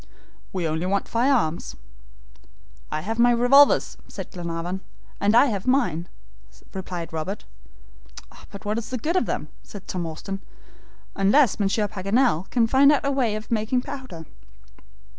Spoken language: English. "We only want fire arms." "I have my revolvers," said Glenarvan. "And I have mine," replied Robert. "But what's the good of them?" said Tom Austin, "unless Monsieur Paganel can find out some way of making powder."